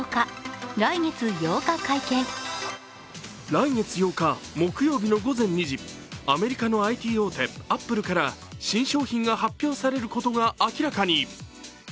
来月８日、木曜日の午前２時アメリカのＩＴ大手・アップルから新商品が発表されることが明らかに。